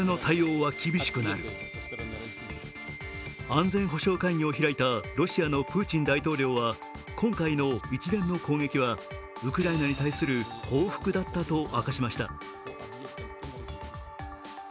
安全保障会議を開いたロシアのプーチン大統領は今回の一連の攻撃はウクライナに対する報復だったと明かしました。